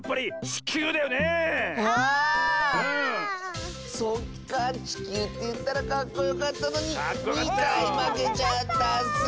ちきゅうっていったらかっこよかったのに２かいまけちゃったッス。